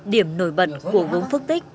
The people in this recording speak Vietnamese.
điểm nổi bật của gốm phước tích